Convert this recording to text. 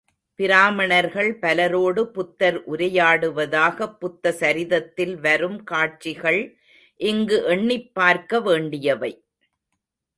பிராமணர்கள் பலரோடு புத்தர் உரையாடுவதாகப் புத்த சரிதத்தில் வரும் காட்சிகள் இங்கு எண்ணிப்பார்க்க வேண்டியவை.